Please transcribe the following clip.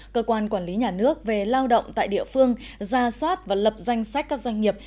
cơ quan quản lý nhà nước về lao động tại địa phương ra soát và lập danh sách các doanh nghiệp